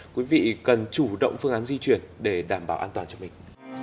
quý vị cần chủ động phương án di chuyển để đảm bảo an toàn cho mình